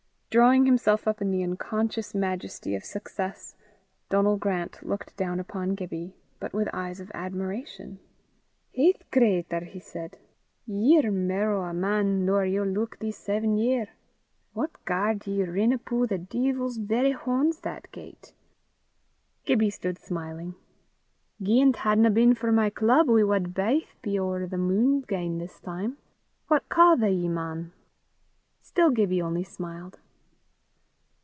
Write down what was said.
Drawing himself up in the unconscious majesty of success, Donal Grant looked down upon Gibbie, but with eyes of admiration. "Haith, cratur!" he said, "ye're mair o' a man nor ye'll luik this saven year! What garred ye rin upo' the deevil's verra horns that gait?" Gibbie stood smiling. "Gien 't hadna been for my club we wad baith be ower the mune 'gain this time. What ca' they ye, man?" Still Gibbie only smiled.